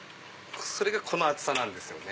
それがこの厚さなんですよね。